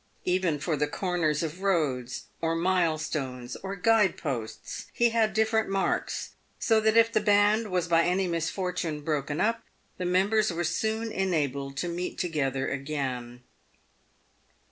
Even for the corners of roads, or milestones, or guide posts, he had different marks, so that if the band was by any misfortune broken up, the members were soon enabled to meet together again.